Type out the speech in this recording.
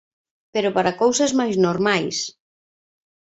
Pero para cousas máis normais.